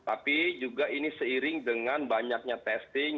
tapi juga ini seiring dengan banyaknya testing